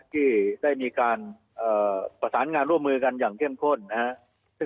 ที่ได้มีการประสานงานร่วมมือกันอย่างเข้มข้นนะครับ